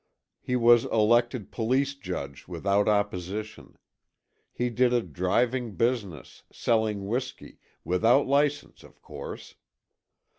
He was elected police judge without opposition. He did a driving business, selling whiskey, without license, of course.